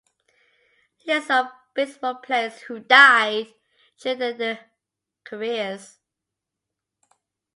List of baseball players who died during their careers